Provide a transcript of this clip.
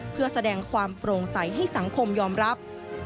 เพื่อแสดงความโปร่งใสให้สังคมยอมรับ